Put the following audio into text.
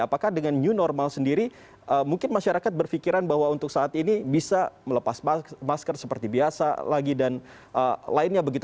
apakah dengan new normal sendiri mungkin masyarakat berpikiran bahwa untuk saat ini bisa melepas masker seperti biasa lagi dan lainnya begitu